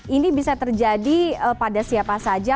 ini bisa terjadi pada siapa saja